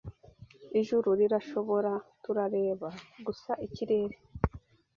Ijuru rirashoboraturareba gusa ikirere